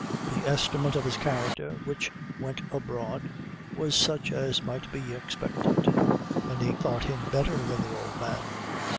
The estimate of his character which went abroad was such as might be expected many thought him better than the old man.